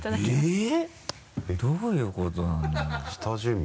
えっ？どういうことなんだろう？